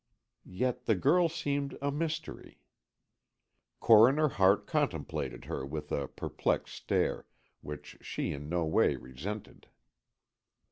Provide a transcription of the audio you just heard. Yet the girl seemed a mystery. Coroner Hart contemplated her with a perplexed stare, which she in no way resented.